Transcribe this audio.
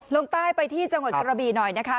ลงใต้ไปที่จังหวัดกระบีหน่อยนะคะ